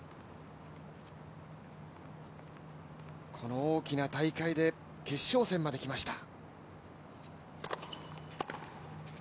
この大きな大会で決勝戦まできました。